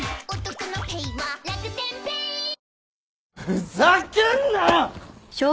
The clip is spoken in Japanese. ふざけんなよ！